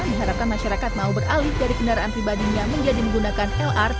diharapkan masyarakat mau beralih dari kendaraan pribadinya menjadi menggunakan lrt